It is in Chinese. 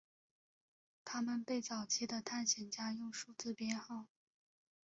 他们被早期的探险家用数字编号。